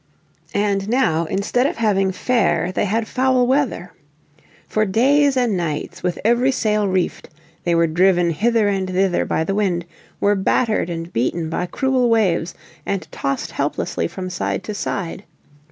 And now instead of having fair they had foul weather. For days and nights, with every sail reefed, they were driven hither and thither by the wind, were battered and beaten by cruel waves, and tossed helplessly from side to side.